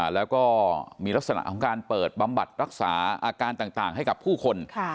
แล้วก็มีลักษณะของการเปิดบำบัดรักษาอาการต่างให้กับผู้คน